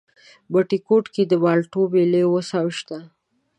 بټي کوټ کې د مالټو مېلې اوس هم شته؟